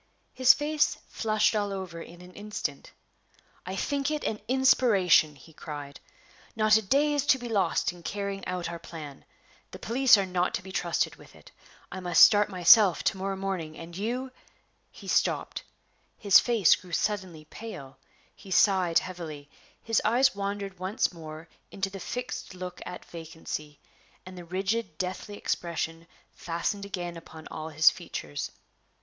His face flushed all over in an instant. "I think it an inspiration!" he cried. "Not a day is to be lost in carrying out our plan. The police are not to be trusted with it. I must start myself to morrow morning; and you " He stopped; his face grew suddenly pale; he sighed heavily; his eyes wandered once more into the fixed look at vacancy; and the rigid, deathly expression fastened again upon all his features.